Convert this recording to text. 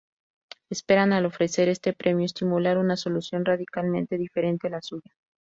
Esperan, al ofrecer este premio, estimular una solución radicalmente diferente a la suya.